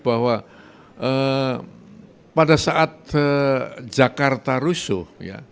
bahwa pada saat jakarta rusuh